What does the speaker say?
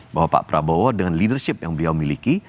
bahwa pak prabowo dengan leadership yang beliau miliki